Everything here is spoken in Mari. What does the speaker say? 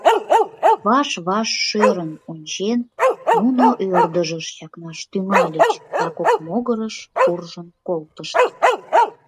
Ваш-ваш шӧрын ончен, нуно ӧрдыжыш чакнаш тӱҥальыч да кок могырыш куржын колтышт.